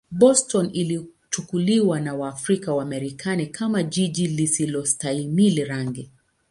Boston ilichukuliwa na Waafrika-Wamarekani kama jiji lisilostahimili rangi.